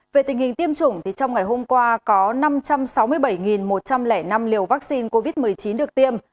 về tình hình tiêm chủng trong ngày hôm qua có năm trăm sáu mươi bảy một trăm linh năm liều vaccine covid một mươi chín được tiêm